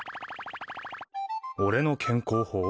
俺の健康法？